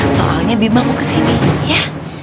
soalnya bima mau kesini ya